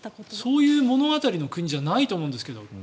そういう物語の国じゃないと思うんですけど。